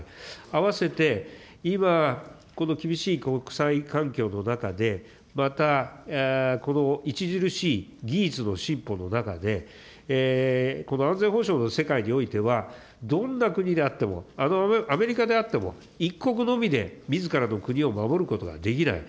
あわせて今、この厳しい国際環境の中で、またこの著しい技術の進歩の中で、この安全保障の世界においては、どんな国であっても、あのアメリカであっても、一国のみでみずからの国を守ることができない。